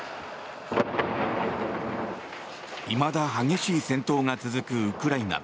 いまだ激しい戦闘が続くウクライナ。